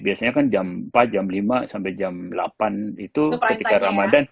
biasanya kan jam empat jam lima sampai jam delapan itu ketika ramadhan